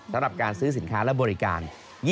สำหรับการซื้อสินค้าและบริการ